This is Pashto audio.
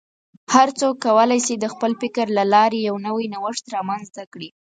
هر څوک کولی شي د خپل فکر له لارې یو نوی نوښت رامنځته کړي.